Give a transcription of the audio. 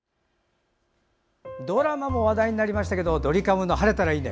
ドラマも話題になりましたけどドリカムの「晴れたらいいね」。